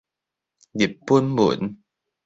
日本文